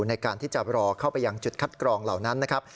ในการที่จะรอเข้าไปยังจุดคัดกรองเหล่านั้นนะครับ